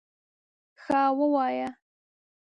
_ښه، ووايه!